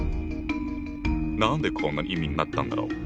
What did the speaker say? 何でこんな意味になったんだろう？